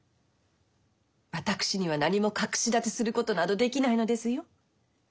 私には何も隠し立てすることなどできないのですよ。